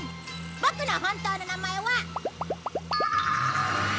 ボクの本当の名前は。